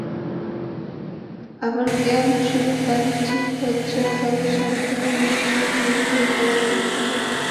আবার ক্যাম্প শুরুর তারিখ ঠিক হবে আগামী সপ্তাহে অনুষ্ঠেয় নির্বাহী কমিটির সভায়।